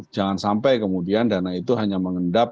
jangan sampai kemudian dana itu hanya mengendap